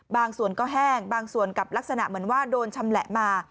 บางส่วนก็แห้งบางส่วนกับลักษณะเหมือนว่าโดนชำแหละมา